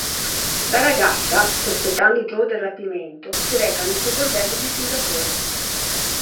La ragazza, sospettando Joe del rapimento, si reca nel suo bordello di Singapore.